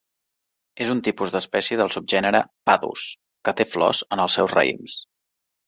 És un tipus d'espècie del subgènere "Padus", que té flors en els seus raïms.